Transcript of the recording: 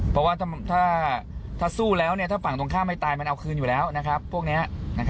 เพราะว่าถ้าสู้แล้วเนี่ยถ้าฝั่งตรงข้ามให้ตายมันเอาคืนอยู่แล้วนะครับพวกเนี้ย